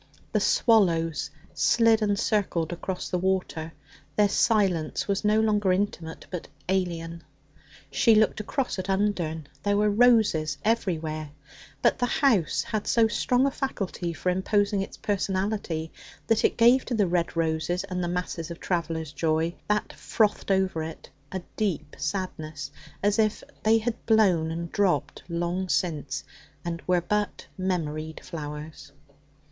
The swallows slid and circled across the water; their silence was no longer intimate, but alien. She looked across at Undern. There were roses everywhere, but the house had so strong a faculty for imposing its personality that it gave to the red roses and the masses of traveller's joy that frothed over it a deep sadness, as if they had blown and dropped long since and were but memoried flowers.